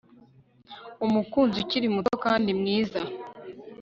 umukunzi ukiri muto kandi mwiza